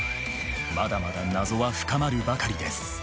まだまだ謎は深まるばかりです。